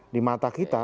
di mata kita